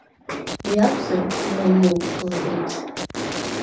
Уи акәзар, имариоуп, — лҳәеит.